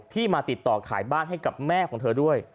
มาติดต่อขายบ้านให้กับแม่ของเธอด้วย